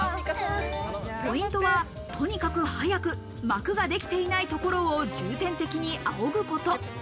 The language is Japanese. ポイントは、とにかく早く膜ができていないところを重点的にあおぐこと。